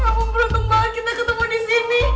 ya ampun beruntung banget kita ketemu di sini